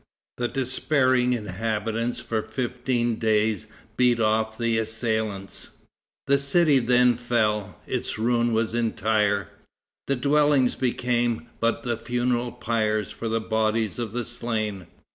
The despairing inhabitants for fifteen days beat off the assailants. The city then fell; its ruin was entire. The dwellings became but the funeral pyres for the bodies of the slain.